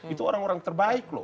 itu orang orang terbaik loh